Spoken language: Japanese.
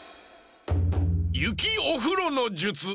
ゆきおふろのじゅつ。